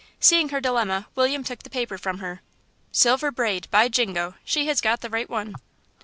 Seeing her dilemma, William took her paper from her. "Silver Braid.... by Jingo! She has got the right one."